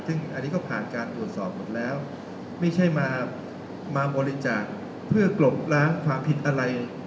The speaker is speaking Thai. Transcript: ซึ่งอันนี้ก็ผ่านการตรวจสอบหมดแล้วไม่ใช่มาบริจาคเพื่อกลบล้างความผิดอะไร